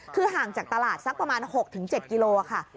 คือห่างจากตลาดสักประมาณ๖๗กิโลค่ะ